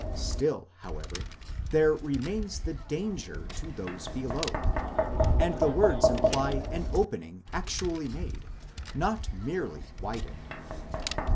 1* Still, how ever, there remains the danger to those below, and the words imply an opening actually made, not merely widened.